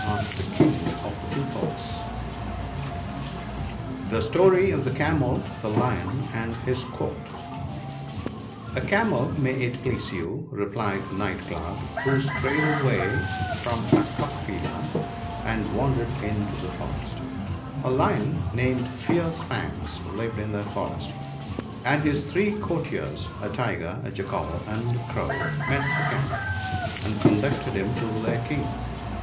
asked the King of the Peacocks. 132 THE BOOK OF GOOD COUNSELS. $fje £torp of tije Camel, tfje ICfon, anb f)f$ Court CAMEL, may it please you,' replied Night cloud, * who strayed away from a kafila ( no ), and wandered into the forest. A Lion, named "Fierce fangs," lived in that forest; and his three courtiers, a Tiger, a Jackal, and a Crow, met the Camel, and conducted him to their King.